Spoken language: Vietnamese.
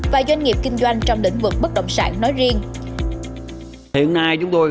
và doanh nghiệp kinh doanh trong lĩnh vực bất động sản nói riêng